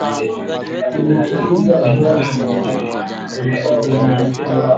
Tumbukiza viazi vikavu ulivyovifunika kwenye maji